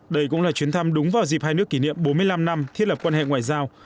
đây cũng là chuyến thăm đúng vào dịp hai nước kỷ niệm bốn mươi năm năm thiết lập quan hệ ngoại giao